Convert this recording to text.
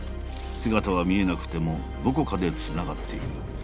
姿は見えなくてもどこかで繋がっている。